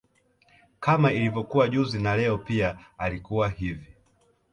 Kama ilivokuwa juzi na Leo pia alikuwa hivi